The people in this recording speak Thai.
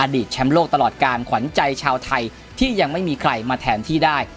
แชมป์โลกตลอดการขวัญใจชาวไทยที่ยังไม่มีใครมาแทนที่ได้